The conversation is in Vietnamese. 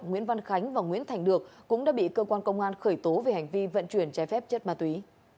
nguyễn văn khánh và nguyễn thành được cũng đã bị cơ quan công an khởi tố về hành vi vận chuyển trái phép chất ma túy